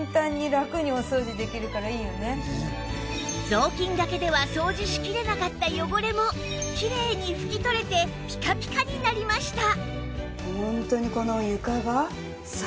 雑巾がけでは掃除しきれなかった汚れもきれいに拭き取れてピカピカになりました